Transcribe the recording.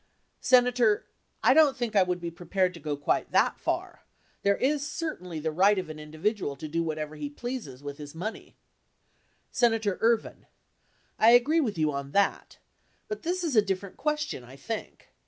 Senator, I don't think I would be prepared to go quite that far. There is certainly the right of an individual to do what he pleases with his money. Senator Ervin. I agree with you on that. But this is a differ ent question, I think.